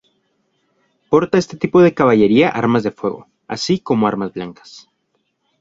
Porta este tipo de caballería armas de fuego, así como armas blancas.